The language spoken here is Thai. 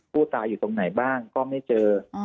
ผู้ตายอยู่ตรงไหนบ้างก็ไม่เจอ